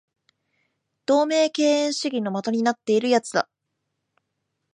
同盟敬遠主義の的になっている奴だ